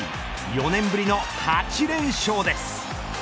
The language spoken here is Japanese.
４年ぶりの８連勝です。